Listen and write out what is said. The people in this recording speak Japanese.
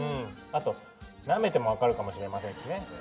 あとなめても分かるかもしれませんしね。